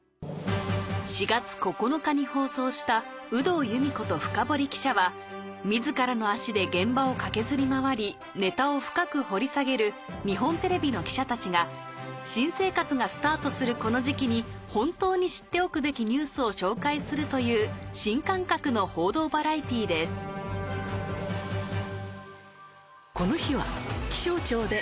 ４月９日に放送した『有働由美子とフカボリ記者』は自らの足で現場を駆けずり回りネタを深く掘り下げる日本テレビの記者たちが新生活がスタートするこの時期に本当に知っておくべきニュースを紹介するという新感覚の報道バラエティーです気象庁で。